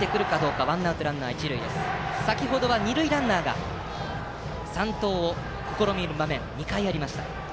先程は二塁ランナーが三盗を試みる場面が２回ありました。